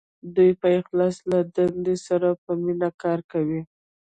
دوی په اخلاص او له دندې سره په مینه کار کوي.